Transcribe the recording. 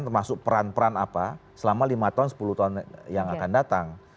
termasuk peran peran apa selama lima tahun sepuluh tahun yang akan datang